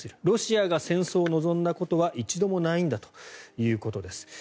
ロシアが戦争を望んだことは一度もないんだということです。